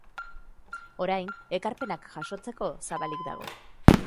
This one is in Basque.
Orain, ekarpenak jasotzeko zabalik dago.